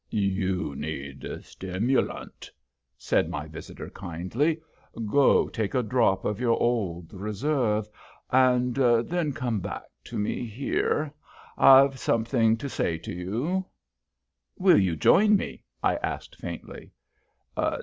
"You need stimulant," said my visitor, kindly. "Go take a drop of your Old Reserve, and then come back here to me. I've something to say to you." "Will you join me?" I asked, faintly.